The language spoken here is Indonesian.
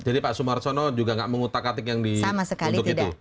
jadi pak sumarsono juga nggak mengutak atik yang dikutuk itu